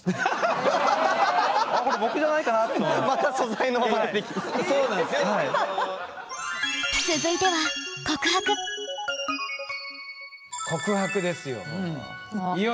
続いては告白ですよ。